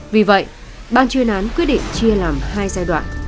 vì vậy ban chuyên án quyết định chia làm hai giai đoạn